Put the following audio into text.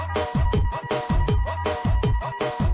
สวัสดีค่ะ